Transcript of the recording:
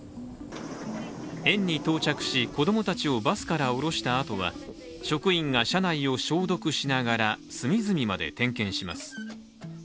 園に到着し、子供たちをバスから降ろしたあとは職員が車内を消毒しながら隅々まで点検します。